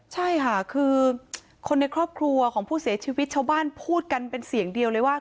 ใช่ค่ะคือคนในครอบครัวของผู้เสียชีวิตชาวบ้านพูดกันเป็นเสียงเดียวเลยว่า